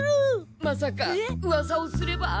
まさかうわさをすれば。